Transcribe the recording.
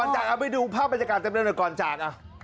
เอาไปดูภาพบรรยากาศเต็มหน่อยก่อนจาก